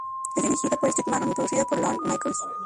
Es dirigida por Steve Barron y producida por Lorne Michaels.